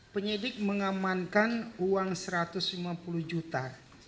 penyidik mengamankan uang satu ratus lima puluh juta